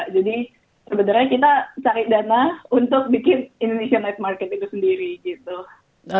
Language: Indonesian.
jadi sebenarnya kita cari dana untuk bikin indonesia night market itu sendiri gitu